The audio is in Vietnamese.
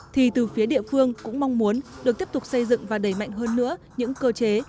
thì từ phía địa phương cũng mong muốn được tiếp tục xây dựng và đẩy mạnh hơn nữa những cơ chế